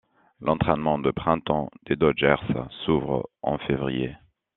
L'entraînement de printemps des Dodgers s'ouvre en février.